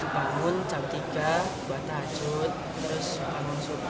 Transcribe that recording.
bangun jam tiga buat hajut terus bangun subuh